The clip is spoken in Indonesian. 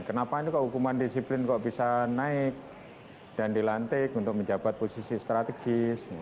kenapa ini kok hukuman disiplin kok bisa naik dan dilantik untuk menjabat posisi strategis